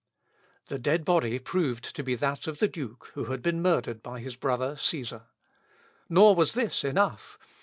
The dead body proved to be that of the Duke, who had been murdered by his brother Cæsar. Nor was this enough.